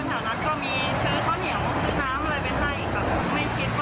แล้วคนแถวนั้นก็มีซื้อข้าวเหนียวซื้อน้ำอะไรเป็นไห้อีกค่ะ